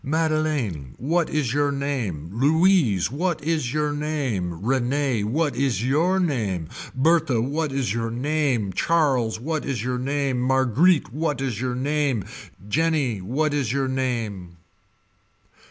Madeleine what is your name. Louise what is your name. Rene what is your name. Berthe what is your name Charles what is your name Marguerite what is your name Jeanne what is your name.